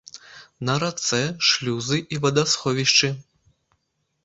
На рацэ шлюзы і вадасховішчы.